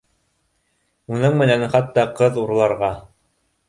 Уның менән хатта ҡыҙ урларға